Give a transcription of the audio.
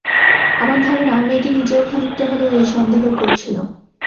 আমার ধারণা, মেয়েটি নিজেও খানিকটা হলেও এই সন্দেহই করছিল।